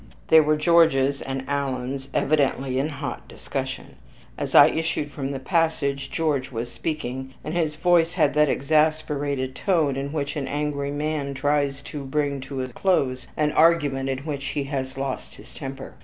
They were George's and Alan's, evidently in hot discussion. As I issued from the passage, George was speaking, and his voice had that exasperated tone in which an angry man tries to bring to a close an argument in which he has lost his temper.